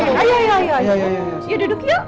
ayo duduk yuk